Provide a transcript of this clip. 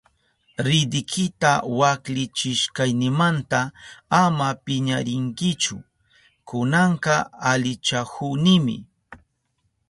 Ridikita waklichishkaynimanta ama piñarinkichu, kunanka alichahunimi.